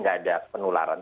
tidak ada penularan